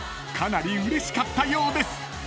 ［かなりうれしかったようです］